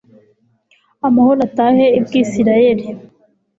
amahoro atahe i bwisirayeli